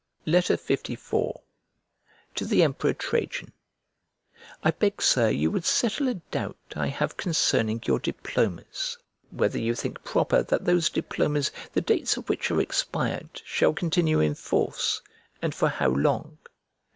LIV To THE EMPEROR TRAJAN I BEG, Sir, you would settle a doubt I have concerning your diplomas; whether you think proper that those diplomas the dates of which are expired shall continue in force, and for how long?